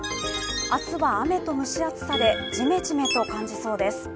明日は雨と蒸し暑さでジメジメと感じそうです。